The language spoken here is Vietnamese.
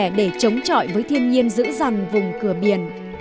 cầu mong sức khỏe để chống chọi với thiên nhiên giữ rằng vùng cửa biển